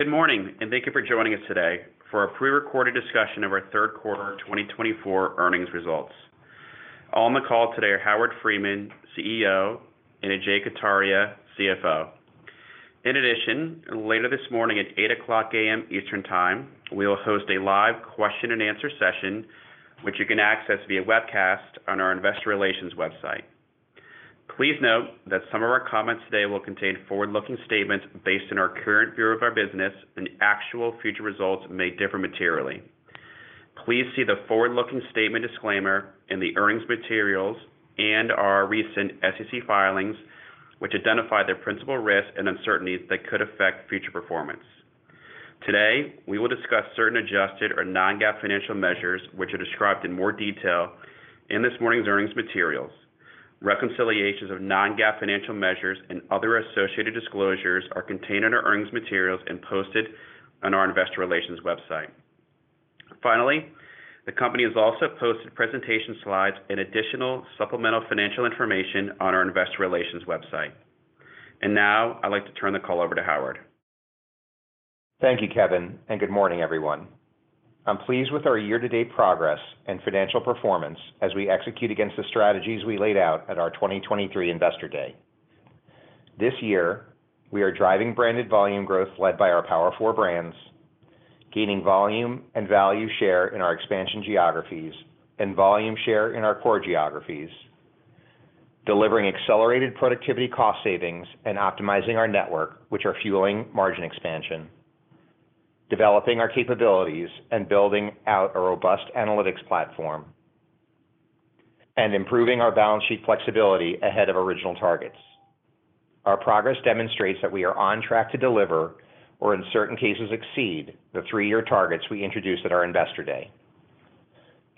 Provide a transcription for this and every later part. Good morning, and thank you for joining us today for a prerecorded discussion of our third quarter 2024 earnings results. On the call today are Howard Friedman, CEO, and Ajay Kataria, CFO. In addition, later this morning at 8:00 A.M. Eastern Time, we will host a live question-and-answer session, which you can access via webcast on our investor relations website. Please note that some of our comments today will contain forward-looking statements based on our current view of our business, and actual future results may differ materially. Please see the forward-looking statement disclaimer in the earnings materials and our recent SEC filings, which identify the principal risks and uncertainties that could affect future performance. Today, we will discuss certain adjusted or non-GAAP financial measures, which are described in more detail in this morning's earnings materials. Reconciliations of non-GAAP financial measures and other associated disclosures are contained in our earnings materials and posted on our investor relations website. Finally, the company has also posted presentation slides and additional supplemental financial information on our investor relations website, and now I'd like to turn the call over to Howard. Thank you, Kevin, and good morning, everyone. I'm pleased with our year-to-date progress and financial performance as we execute against the strategies we laid out at our 2023 Investor Day. This year, we are driving branded volume growth led by our Power Four brands, gaining volume and value share in our expansion geographies and volume share in our core geographies, delivering accelerated productivity cost savings and optimizing our network, which are fueling margin expansion, developing our capabilities and building out a robust analytics platform, and improving our balance sheet flexibility ahead of original targets. Our progress demonstrates that we are on track to deliver or, in certain cases, exceed the three-year targets we introduced at our Investor Day.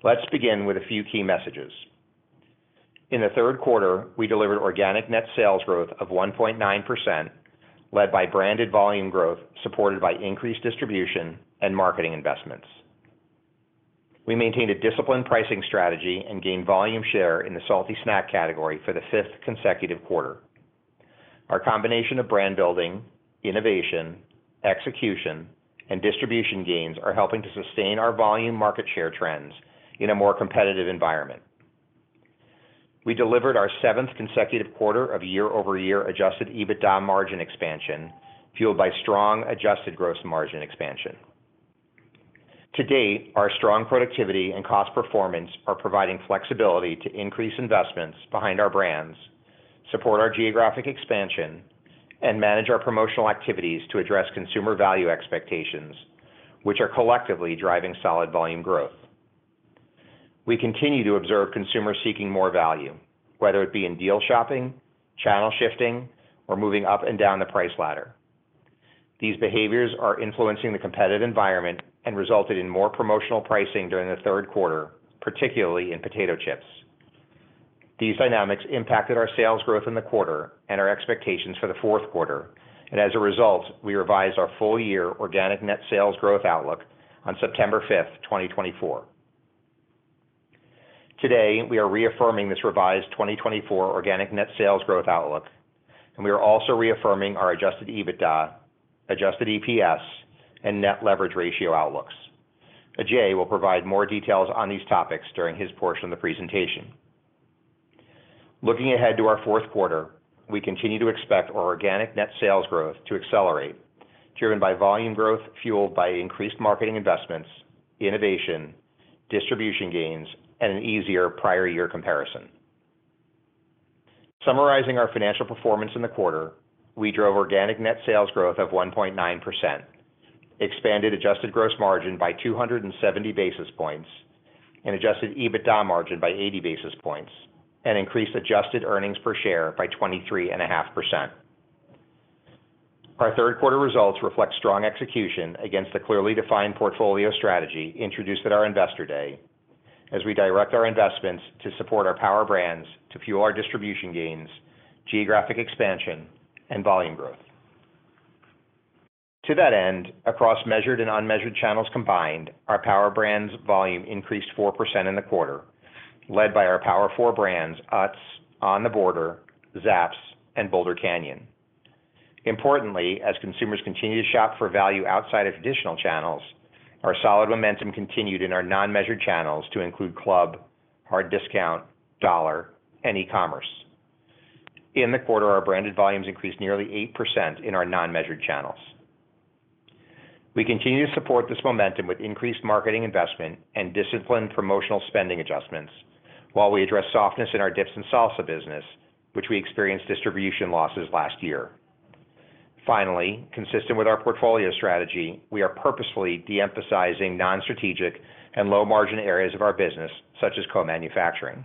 Let's begin with a few key messages. In the third quarter, we delivered organic net sales growth of 1.9%, led by branded volume growth supported by increased distribution and marketing investments. We maintained a disciplined pricing strategy and gained volume share in the salty snack category for the fifth consecutive quarter. Our combination of brand building, innovation, execution, and distribution gains are helping to sustain our volume market share trends in a more competitive environment. We delivered our seventh consecutive quarter of year-over-year Adjusted EBITDA margin expansion, fueled by strong adjusted gross margin expansion. To date, our strong productivity and cost performance are providing flexibility to increase investments behind our brands, support our geographic expansion, and manage our promotional activities to address consumer value expectations, which are collectively driving solid volume growth. We continue to observe consumers seeking more value, whether it be in deal shopping, channel shifting, or moving up and down the price ladder. These behaviors are influencing the competitive environment and resulted in more promotional pricing during the third quarter, particularly in potato chips. These dynamics impacted our sales growth in the quarter and our expectations for the fourth quarter, and as a result, we revised our full-year organic net sales growth outlook on September 5th, 2024. Today, we are reaffirming this revised 2024 organic net sales growth outlook, and we are also reaffirming our adjusted EBITDA, adjusted EPS, and net leverage ratio outlooks. Ajay will provide more details on these topics during his portion of the presentation. Looking ahead to our fourth quarter, we continue to expect our organic net sales growth to accelerate, driven by volume growth fueled by increased marketing investments, innovation, distribution gains, and an easier prior-year comparison. Summarizing our financial performance in the quarter, we drove organic net sales growth of 1.9%, expanded adjusted gross margin by 270 basis points, and adjusted EBITDA margin by 80 basis points, and increased adjusted earnings per share by 23.5%. Our third-quarter results reflect strong execution against the clearly defined portfolio strategy introduced at our Investor Day, as we direct our investments to support our Power Brands to fuel our distribution gains, geographic expansion, and volume growth. To that end, across measured and unmeasured channels combined, our Power Brands volume increased 4% in the quarter, led by our Power Four brands Utz, On The Border, Zapp's, and Boulder Canyon. Importantly, as consumers continue to shop for value outside of traditional channels, our solid momentum continued in our non-measured channels to include Club, Hard Discount, Dollar, and e-commerce. In the quarter, our branded volumes increased nearly 8% in our non-measured channels. We continue to support this momentum with increased marketing investment and disciplined promotional spending adjustments, while we address softness in our dips and salsa business, which we experienced distribution losses last year. Finally, consistent with our portfolio strategy, we are purposefully de-emphasizing non-strategic and low-margin areas of our business, such as co-manufacturing.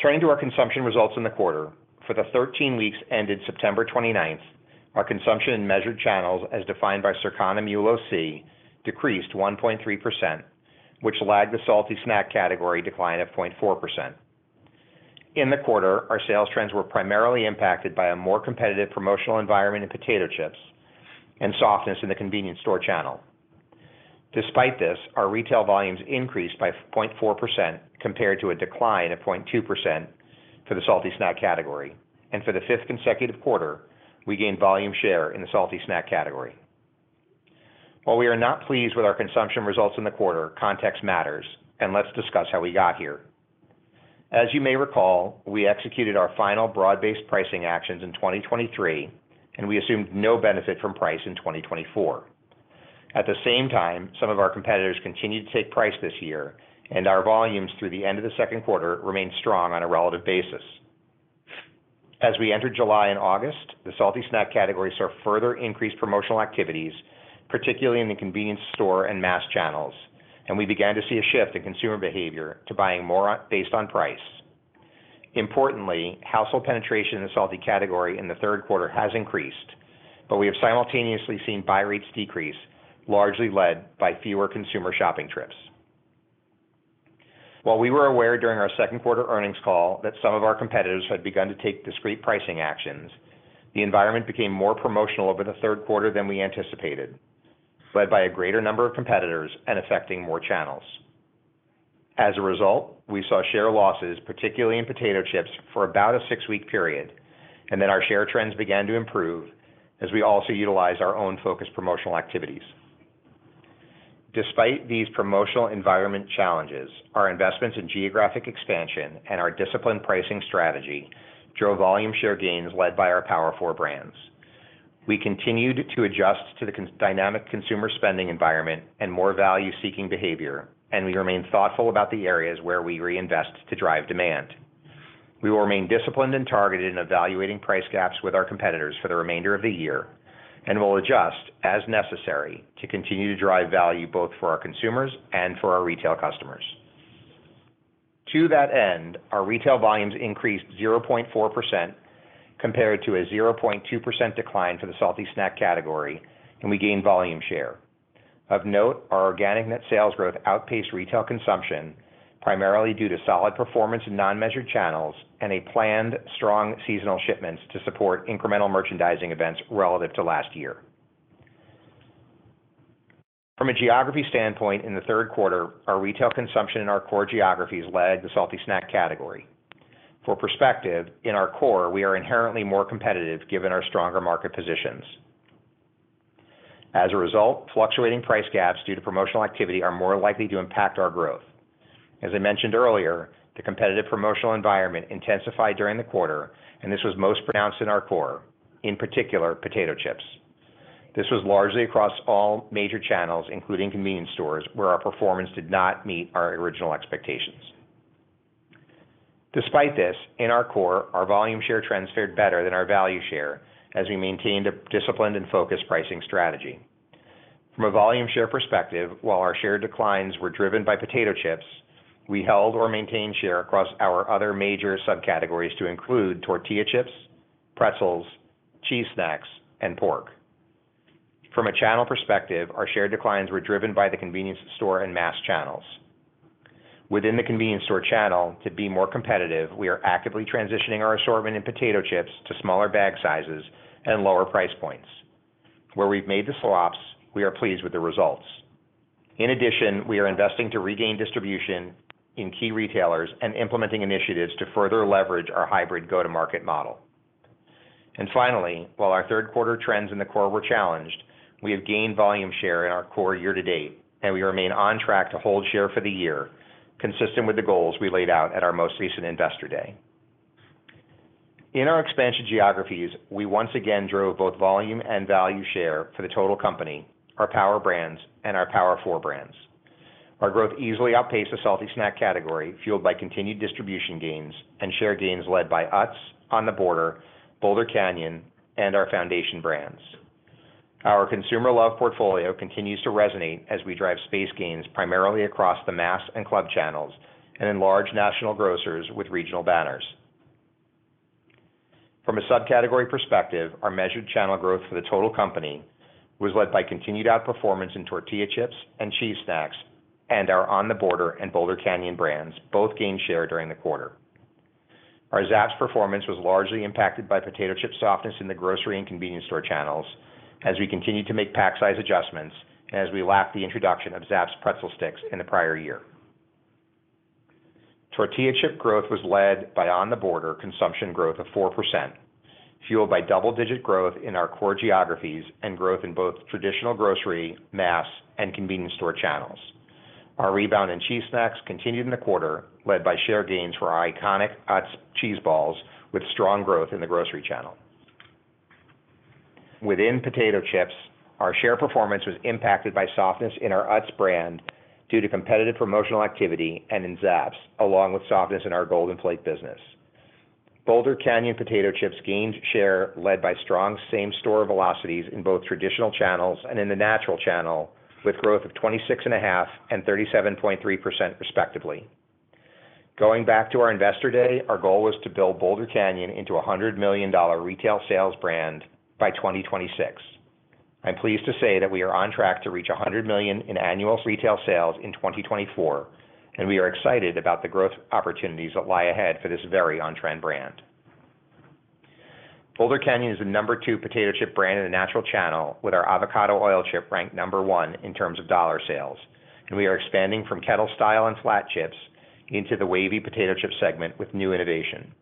Turning to our consumption results in the quarter, for the 13 weeks ended September 29th, our consumption in measured channels, as defined by Circana MULO-C, decreased 1.3%, which lagged the salty snack category decline of 0.4%. In the quarter, our sales trends were primarily impacted by a more competitive promotional environment in potato chips and softness in the convenience store channel. Despite this, our retail volumes increased by 0.4% compared to a decline of 0.2% for the salty snack category, and for the fifth consecutive quarter, we gained volume share in the salty snack category. While we are not pleased with our consumption results in the quarter, context matters, and let's discuss how we got here. As you may recall, we executed our final broad-based pricing actions in 2023, and we assumed no benefit from price in 2024. At the same time, some of our competitors continued to take price this year, and our volumes through the end of the second quarter remained strong on a relative basis. As we entered July and August, the salty snack category saw further increased promotional activities, particularly in the convenience store and mass channels, and we began to see a shift in consumer behavior to buying more based on price. Importantly, household penetration in the salty category in the third quarter has increased, but we have simultaneously seen buy rates decrease, largely led by fewer consumer shopping trips. While we were aware during our second-quarter earnings call that some of our competitors had begun to take discreet pricing actions, the environment became more promotional over the third quarter than we anticipated, led by a greater number of competitors and affecting more channels. As a result, we saw share losses, particularly in potato chips, for about a six-week period, and then our share trends began to improve as we also utilized our own focused promotional activities. Despite these promotional environment challenges, our investments in geographic expansion and our disciplined pricing strategy drove volume share gains led by our Power Four brands. We continued to adjust to the dynamic consumer spending environment and more value-seeking behavior, and we remain thoughtful about the areas where we reinvest to drive demand. We will remain disciplined and targeted in evaluating price gaps with our competitors for the remainder of the year, and we'll adjust as necessary to continue to drive value both for our consumers and for our retail customers. To that end, our retail volumes increased 0.4% compared to a 0.2% decline for the salty snack category, and we gained volume share. Of note, our organic net sales growth outpaced retail consumption, primarily due to solid performance in non-measured channels and a planned strong seasonal shipments to support incremental merchandising events relative to last year. From a geography standpoint, in the third quarter, our retail consumption in our core geographies lagged the salty snack category. For perspective, in our core, we are inherently more competitive given our stronger market positions. As a result, fluctuating price gaps due to promotional activity are more likely to impact our growth. As I mentioned earlier, the competitive promotional environment intensified during the quarter, and this was most pronounced in our core, in particular, potato chips. This was largely across all major channels, including convenience stores, where our performance did not meet our original expectations. Despite this, in our core, our volume share trends fared better than our value share as we maintained a disciplined and focused pricing strategy. From a volume share perspective, while our share declines were driven by potato chips, we held or maintained share across our other major subcategories to include tortilla chips, pretzels, cheese snacks, and pork. From a channel perspective, our share declines were driven by the convenience store and mass channels. Within the convenience store channel, to be more competitive, we are actively transitioning our assortment in potato chips to smaller bag sizes and lower price points. Where we've made the swaps, we are pleased with the results. In addition, we are investing to regain distribution in key retailers and implementing initiatives to further leverage our hybrid go-to-market model. And finally, while our third-quarter trends in the core were challenged, we have gained volume share in our core year-to-date, and we remain on track to hold share for the year, consistent with the goals we laid out at our most recent Investor Day. In our expansion geographies, we once again drove both volume and value share for the total company, our Power Brands, and our Power Four brands. Our growth easily outpaced the salty snack category, fueled by continued distribution gains and share gains led by Utz, On The Border, Boulder Canyon, and our Foundation Brands. Our Consumer Love Portfolio continues to resonate as we drive space gains primarily across the mass and club channels and in large national grocers with regional banners. From a subcategory perspective, our measured channel growth for the total company was led by continued outperformance in tortilla chips and cheese snacks, and our On The Border and Boulder Canyon brands both gained share during the quarter. Our Zapp's performance was largely impacted by potato chip softness in the grocery and convenience store channels as we continued to make pack-size adjustments and as we lacked the introduction of Zapp's pretzel sticks in the prior year. Tortilla chip growth was led by On The Border consumption growth of 4%, fueled by double-digit growth in our core geographies and growth in both traditional grocery, mass, and convenience store channels. Our rebound in cheese snacks continued in the quarter, led by share gains for our iconic Utz cheese balls with strong growth in the grocery channel. Within potato chips, our share performance was impacted by softness in our Utz brand due to competitive promotional activity and in Zapp's, along with softness in our Golden Flake business. Boulder Canyon potato chips gained share led by strong same-store velocities in both traditional channels and in the natural channel with growth of 26.5% and 37.3%, respectively. Going back to our Investor Day, our goal was to build Boulder Canyon into a $100 million retail sales brand by 2026. I'm pleased to say that we are on track to reach 100 million in annual retail sales in 2024, and we are excited about the growth opportunities that lie ahead for this very on-trend brand. Boulder Canyon is the number two potato chip brand in the natural channel with our avocado oil chip ranked number one in terms of dollar sales, and we are expanding from kettle-style and flat chips into the wavy potato chip segment with new innovation.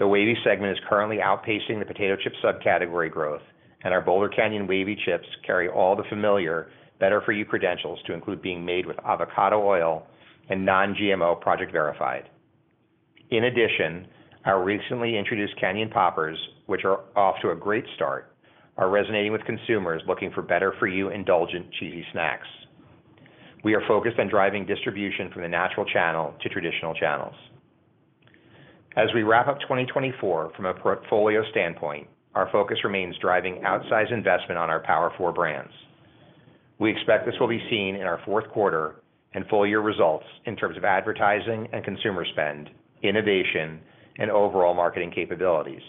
The wavy segment is currently outpacing the potato chip subcategory growth, and our Boulder Canyon wavy chips carry all the familiar Better For You credentials to include being made with avocado oil and Non-GMO Project Verified. In addition, our recently introduced Canyon Poppers, which are off to a great start, are resonating with consumers looking for Better For You indulgent cheesy snacks. We are focused on driving distribution from the natural channel to traditional channels. As we wrap up 2024, from a portfolio standpoint, our focus remains driving outsized investment on our Power Four brands. We expect this will be seen in our fourth quarter and full-year results in terms of advertising and consumer spend, innovation, and overall marketing capabilities.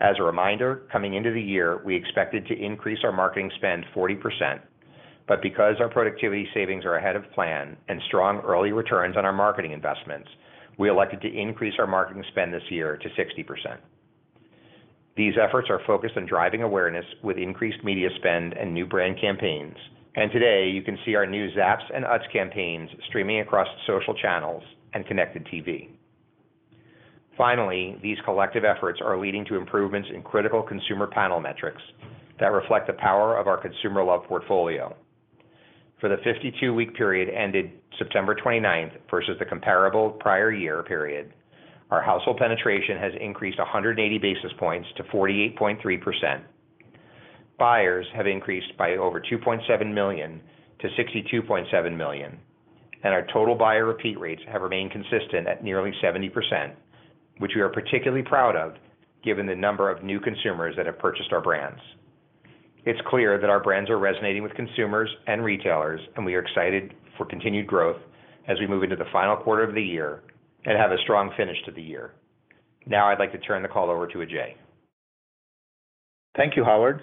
As a reminder, coming into the year, we expected to increase our marketing spend 40%, but because our productivity savings are ahead of plan and strong early returns on our marketing investments, we elected to increase our marketing spend this year to 60%. These efforts are focused on driving awareness with increased media spend and new brand campaigns, and today you can see our new Zapp's and Utz campaigns streaming across social channels and connected TV. Finally, these collective efforts are leading to improvements in critical consumer panel metrics that reflect the power of our consumer love portfolio. For the 52-week period ended September 29th versus the comparable prior year period, our household penetration has increased 180 basis points to 48.3%. Buyers have increased by over 2.7 million to 62.7 million, and our total buyer repeat rates have remained consistent at nearly 70%, which we are particularly proud of given the number of new consumers that have purchased our brands. It's clear that our brands are resonating with consumers and retailers, and we are excited for continued growth as we move into the final quarter of the year and have a strong finish to the year. Now I'd like to turn the call over to Ajay. Thank you, Howard,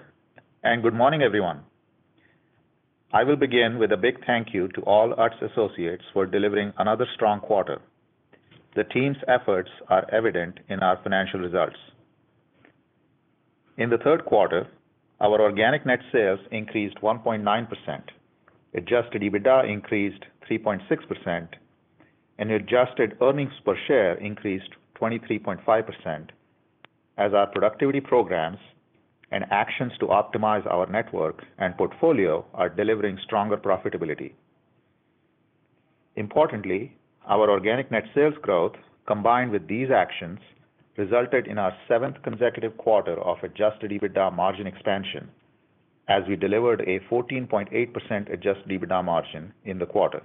and good morning, everyone. I will begin with a big thank you to all Utz associates for delivering another strong quarter. The team's efforts are evident in our financial results. In the third quarter, our organic net sales increased 1.9%, adjusted EBITDA increased 3.6%, and adjusted earnings per share increased 23.5% as our productivity programs and actions to optimize our network and portfolio are delivering stronger profitability. Importantly, our organic net sales growth combined with these actions resulted in our seventh consecutive quarter of adjusted EBITDA margin expansion as we delivered a 14.8% adjusted EBITDA margin in the quarter.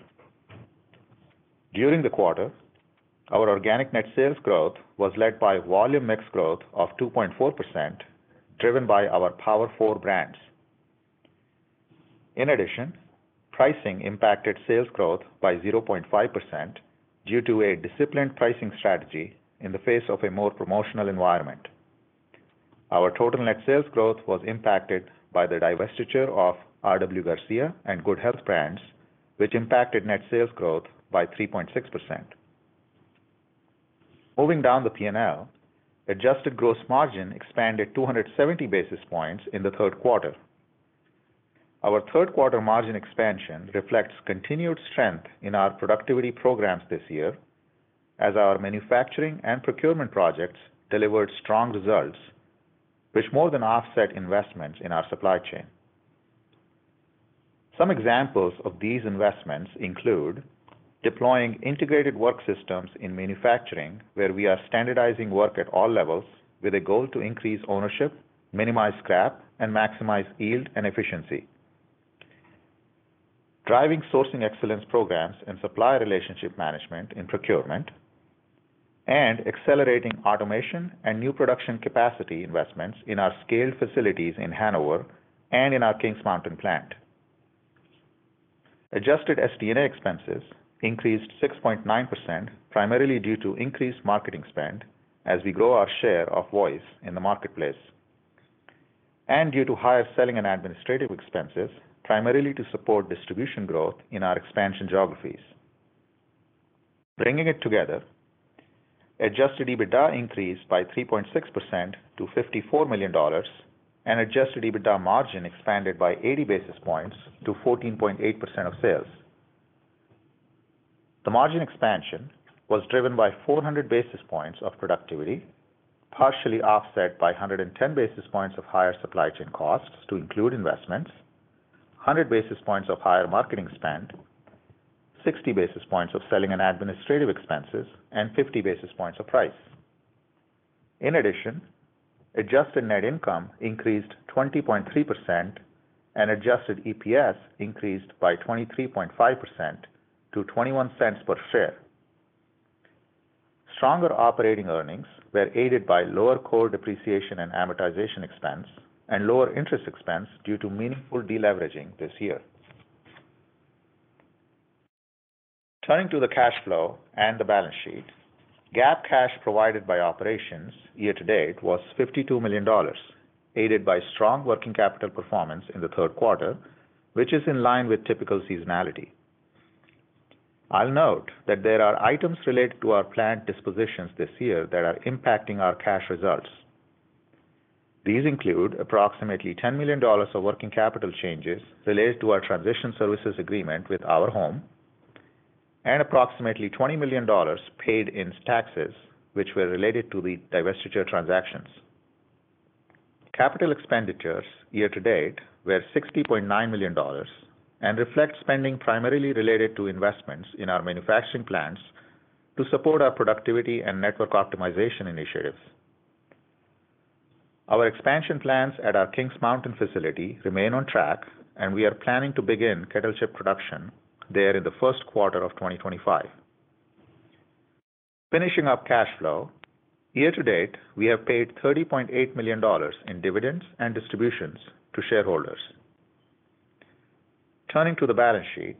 During the quarter, our organic net sales growth was led by volume mix growth of 2.4%, driven by our Power Four brands. In addition, pricing impacted sales growth by 0.5% due to a disciplined pricing strategy in the face of a more promotional environment. Our total net sales growth was impacted by the divestiture of RW Garcia and Good Health brands, which impacted net sales growth by 3.6%. Moving down the P&L, adjusted gross margin expanded 270 basis points in the third quarter. Our third-quarter margin expansion reflects continued strength in our productivity programs this year as our manufacturing and procurement projects delivered strong results, which more than offset investments in our supply chain. Some examples of these investments include deploying Integrated Work Systems in manufacturing, where we are standardizing work at all levels with a goal to increase ownership, minimize scrap, and maximize yield and efficiency, driving sourcing excellence programs and supplier relationship management in procurement, and accelerating automation and new production capacity investments in our scaled facilities in Hanover and in our Kings Mountain plant. Adjusted SD&A expenses increased 6.9%, primarily due to increased marketing spend as we grow our share of voice in the marketplace, and due to higher selling and administrative expenses, primarily to support distribution growth in our expansion geographies. Bringing it together, Adjusted EBITDA increased by 3.6% to $54 million, and Adjusted EBITDA margin expanded by 80 basis points to 14.8% of sales. The margin expansion was driven by 400 basis points of productivity, partially offset by 110 basis points of higher supply chain costs including investments, 100 basis points of higher marketing spend, 60 basis points of selling and administrative expenses, and 50 basis points of price. In addition, adjusted net income increased 20.3%, and Adjusted EPS increased by 23.5% to $0.21 per share. Stronger operating earnings were aided by lower core depreciation and amortization expense and lower interest expense due to meaningful deleveraging this year. Turning to the cash flow and the balance sheet, GAAP cash provided by operations year-to-date was $52 million, aided by strong working capital performance in the third quarter, which is in line with typical seasonality. I'll note that there are items related to our planned dispositions this year that are impacting our cash results. These include approximately $10 million of working capital changes related to our transition services agreement with Our Home, and approximately $20 million paid in taxes, which were related to the divestiture transactions. Capital expenditures year-to-date were $60.9 million and reflect spending primarily related to investments in our manufacturing plants to support our productivity and network optimization initiatives. Our expansion plans at our Kings Mountain facility remain on track, and we are planning to begin kettle chip production there in the first quarter of 2025. Finishing up cash flow, year-to-date, we have paid $30.8 million in dividends and distributions to shareholders. Turning to the balance sheet,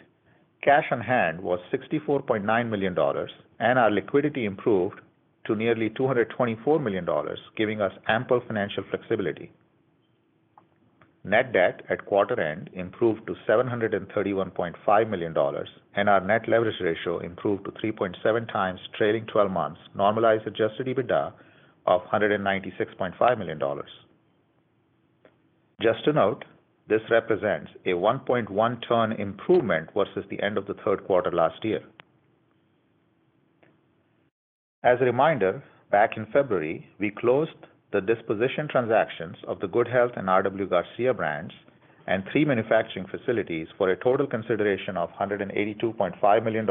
cash on hand was $64.9 million, and our liquidity improved to nearly $224 million, giving us ample financial flexibility. Net debt at quarter-end improved to $731.5 million, and our net leverage ratio improved to 3.7 times trailing 12 months, normalized adjusted EBITDA of $196.5 million. Just to note, this represents a 1.1-turn improvement versus the end of the third quarter last year. As a reminder, back in February, we closed the disposition transactions of the Good Health and RW Garcia brands and three manufacturing facilities for a total consideration of $182.5 million,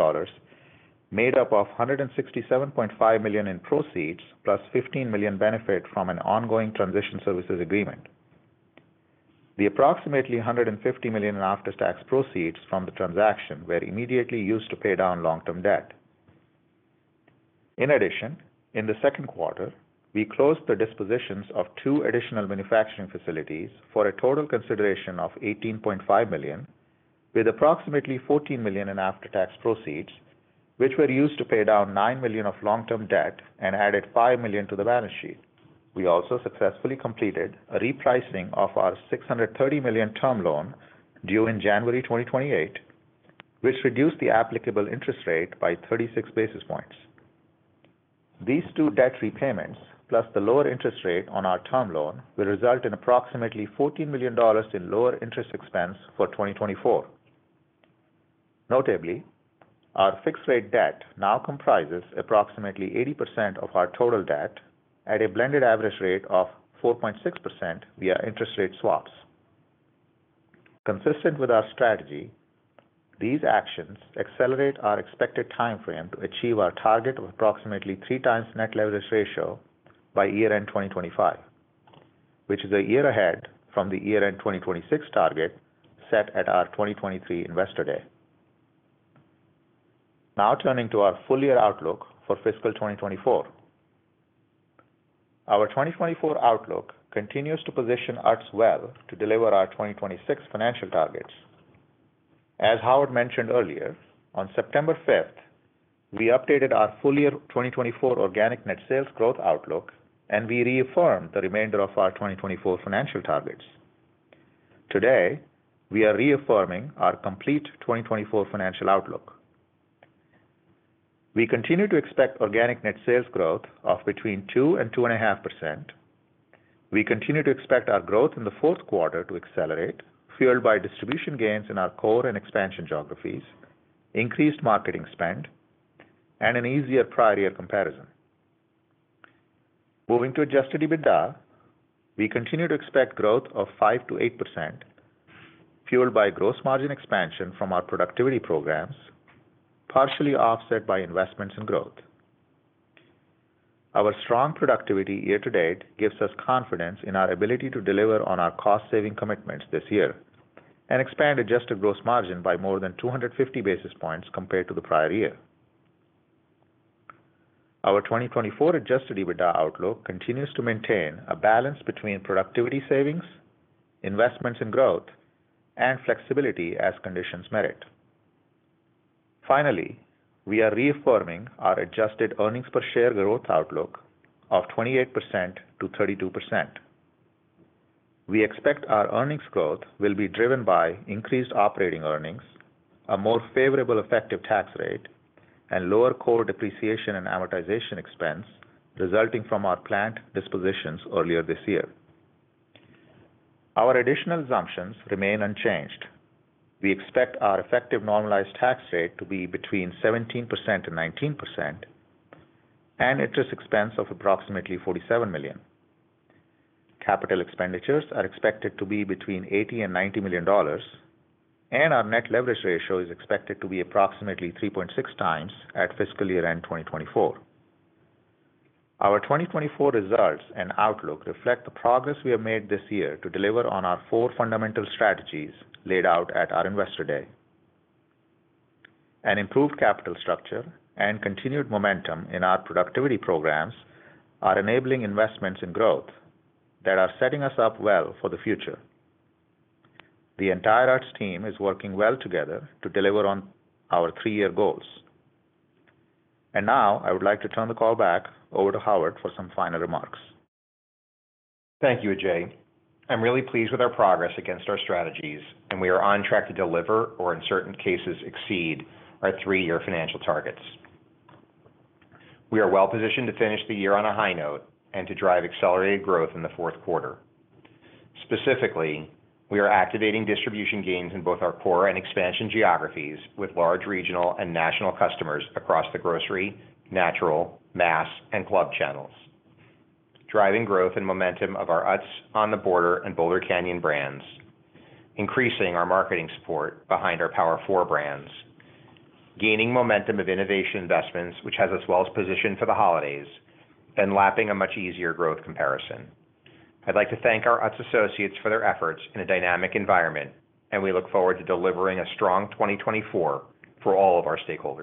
made up of $167.5 million in proceeds plus $15 million benefit from an ongoing transition services agreement. The approximately $150 million in after-tax proceeds from the transaction were immediately used to pay down long-term debt. In addition, in the second quarter, we closed the dispositions of two additional manufacturing facilities for a total consideration of $18.5 million, with approximately $14 million in after-tax proceeds, which were used to pay down $9 million of long-term debt and added $5 million to the balance sheet. We also successfully completed a repricing of our $630 million term loan due in January 2028, which reduced the applicable interest rate by 36 basis points. These two debt repayments, plus the lower interest rate on our term loan, will result in approximately $14 million in lower interest expense for 2024. Notably, our fixed-rate debt now comprises approximately 80% of our total debt at a blended average rate of 4.6% via interest rate swaps. Consistent with our strategy, these actions accelerate our expected timeframe to achieve our target of approximately three times Net Leverage Ratio by year-end 2025, which is a year ahead from the year-end 2026 target set at our 2023 Investor Day. Now turning to our full-year outlook for fiscal 2024, our 2024 outlook continues to position Utz well to deliver our 2026 financial targets. As Howard mentioned earlier, on September 5th, we updated our full-year 2024 Organic Net Sales growth outlook, and we reaffirmed the remainder of our 2024 financial targets. Today, we are reaffirming our complete 2024 financial outlook. We continue to expect Organic Net Sales growth of between 2% and 2.5%. We continue to expect our growth in the fourth quarter to accelerate, fueled by distribution gains in our core and expansion geographies, increased marketing spend, and an easier prior-year comparison. Moving to Adjusted EBITDA, we continue to expect growth of 5%-8%, fueled by gross margin expansion from our productivity programs, partially offset by investments in growth. Our strong productivity year-to-date gives us confidence in our ability to deliver on our cost-saving commitments this year and expand adjusted gross margin by more than 250 basis points compared to the prior year. Our 2024 Adjusted EBITDA outlook continues to maintain a balance between productivity savings, investments in growth, and flexibility as conditions merit. Finally, we are reaffirming our adjusted earnings per share growth outlook of 28%-32%. We expect our earnings growth will be driven by increased operating earnings, a more favorable effective tax rate, and lower core depreciation and amortization expense resulting from our plant dispositions earlier this year. Our additional assumptions remain unchanged. We expect our effective normalized tax rate to be between 17% and 19%, and interest expense of approximately $47 million. Capital expenditures are expected to be between $80 and $90 million, and our net leverage ratio is expected to be approximately 3.6 times at fiscal year-end 2024. Our 2024 results and outlook reflect the progress we have made this year to deliver on our four fundamental strategies laid out at our Investor Day. An improved capital structure and continued momentum in our productivity programs are enabling investments in growth that are setting us up well for the future. The entire Utz team is working well together to deliver on our three-year goals. And now I would like to turn the call back over to Howard for some final remarks. Thank you, Ajay. I'm really pleased with our progress against our strategies, and we are on track to deliver or, in certain cases, exceed our three-year financial targets. We are well positioned to finish the year on a high note and to drive accelerated growth in the fourth quarter. Specifically, we are activating distribution gains in both our core and expansion geographies with large regional and national customers across the grocery, natural, mass, and club channels, driving growth and momentum of our Utz, On The Border and Boulder Canyon brands, increasing our marketing support behind our Power Four brands, gaining momentum of innovation investments, which has us well positioned for the holidays, and lapping a much easier growth comparison. I'd like to thank our Utz associates for their efforts in a dynamic environment, and we look forward to delivering a strong 2024 for all of our stakeholders.